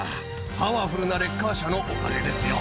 パワフルなレッカー車のおかげですよ。